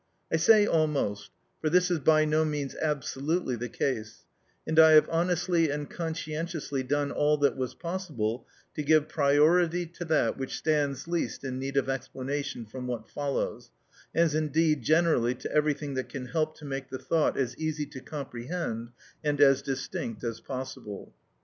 I say "almost;" for this is by no means absolutely the case, and I have honestly and conscientiously done all that was possible to give priority to that which stands least in need of explanation from what follows, as indeed generally to everything that can help to make the thought as easy to comprehend and as distinct as possible.